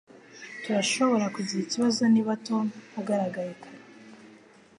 Turashobora kugira ikibazo niba Tom agaragaye kare